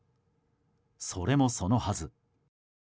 それもそのはず。